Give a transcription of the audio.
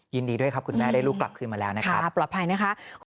ยินดีด้วยครับคุณแม่ได้ลูกกลับขึ้นมาแล้วนะครับปลอดภัยนะคะ